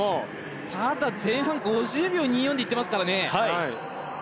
ただ前半５０秒２４で行ってますからね。